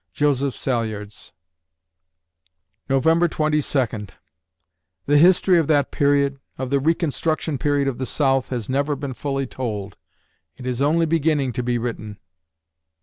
JOSEPH SALYARDS November Twenty Second The history of that period, of the reconstruction period of the South, has never been fully told. It is only beginning to be written.